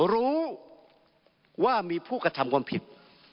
รู้ว่ามีผู้กระทำความผิด